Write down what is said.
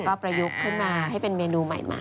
ก็ประยุกต์ขึ้นมาให้เป็นเมนูใหม่